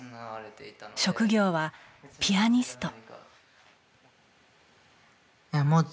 職業はピアニスト。